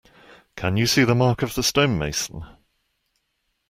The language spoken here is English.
Can you see the mark of the stonemason?